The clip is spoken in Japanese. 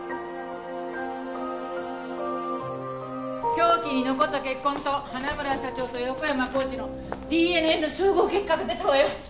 凶器に残った血痕と花村社長と横山コーチのＤＮＡの照合結果が出たわよ。